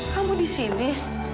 kamu di sini